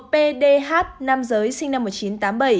một mươi một pdh nam giới sinh năm một nghìn chín trăm tám mươi bảy